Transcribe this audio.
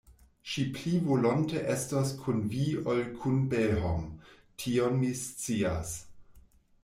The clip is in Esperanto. Ŝi pli volonte estos kun Vi ol kun Belhom, tion mi scias.